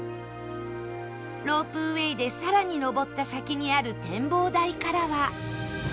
ロープウェイで更に上った先にある展望台からは